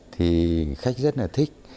thì khách rất là thích